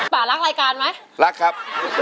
ป่ารักรายการไหมรักครับ